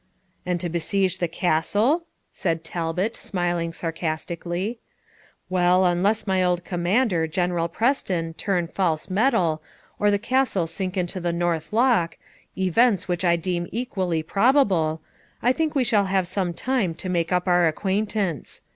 'And to besiege the Castle?' said Talbot, smiling sarcastically. 'Well, unless my old commander, General Preston, turn false metal, or the Castle sink into the North Loch, events which I deem equally probable, I think we shall have some time to make up our acquaintance.